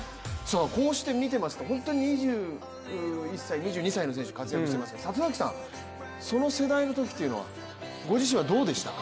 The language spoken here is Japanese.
こうしてみていますと、本当に２１歳、２２歳の選手活躍していますが、里崎さんその世代のときというのはご自身はどうでしたか？